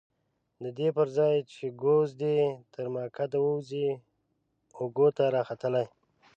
ددې پرځای چې ګوز دې تر مکعده ووځي اوږو ته راختلی.